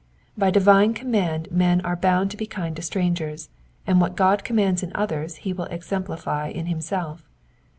By divine ■command men are bound to be kind to strangers, and what God commands in others he will exemplify in himself.